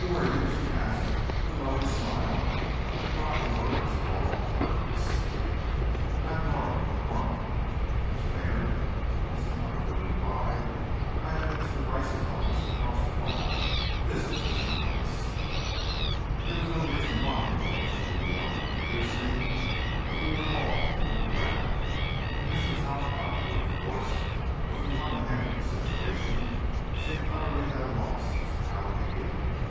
"Who are you?" she asked, with a lovely smile that robbed the words of all curtness. "I am Norah MacCormack, Miss Raynor," my stenographer replied. "I am in Mr. Brice's office, across the hall. This is Mr. Brice." There was no reason why Norah should be the one to introduce me, but we were all a little rattled, and Mr. Talcott, who, of course, was the one to handle the situation, seemed utterly at a loss as to how to begin.